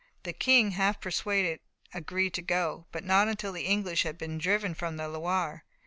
The King, half persuaded, agreed to go, but not until the English had been driven from the Loire.